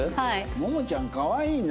ももちゃんかわいいな。